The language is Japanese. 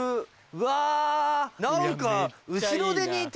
うわ何か。